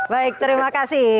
baik terima kasih